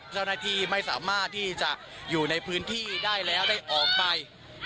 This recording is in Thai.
เจ้าหน้าที่ไม่สามารถที่จะอยู่ในพื้นที่ได้แล้วได้ออกไป